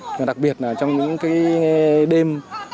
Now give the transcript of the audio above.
và đặc biệt là trong những đêm